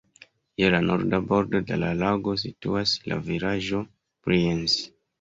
Je la norda bordo de la lago situas la vilaĝo Brienz.